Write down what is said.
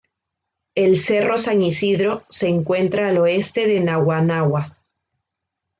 El Cerro San Isidro se encuentra al oeste de Naguanagua.